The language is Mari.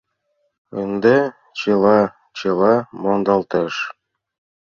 — Ынде чыла-чыла мондалтеш...